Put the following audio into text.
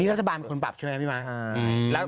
นี่รัฐบาลมีคนปรับใช่ไหมมีมั้ย